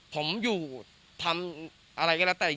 ผมอยู่ทำอะไรก็แล้วแต่